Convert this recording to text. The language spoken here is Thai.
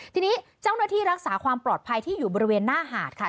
ทีนี้เจ้าหน้าที่รักษาความปลอดภัยที่อยู่บริเวณหน้าหาดค่ะ